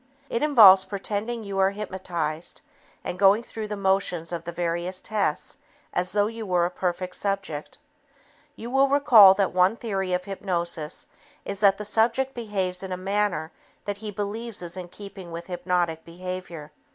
It involves pretending you are hypnotized and going through the motions of the various tests as though you were a perfect subject. You will recall that one theory of hypnosis is that the subject behaves in a manner that he believes is in keeping with hypnotic behavior.